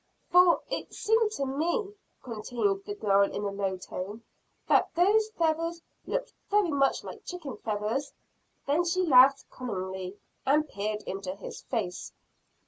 "For it seemed to me," continued the girl in a low tone, "that those feathers looked very much like chicken feathers." Then she laughed cunningly, and peered into his face.